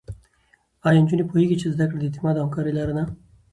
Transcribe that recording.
ایا نجونې پوهېږي چې زده کړه د اعتماد او همکارۍ لاره ده؟